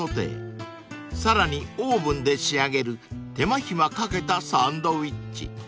［さらにオーブンで仕上げる手間暇かけたサンドイッチ］